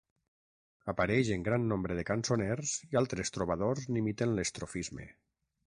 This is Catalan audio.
Apareix en gran nombre de cançoners i altres trobadors n'imiten l'estrofisme.